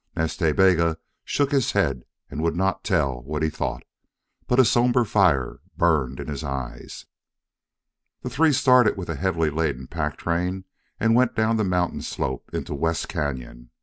Nas Ta Bega shook his head and would not tell what he thought. But a somber fire burned in his eyes. The three started with a heavily laden pack train and went down the mountain slope into West Cañon.